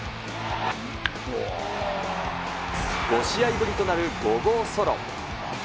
５試合ぶりとなる５号ソロ。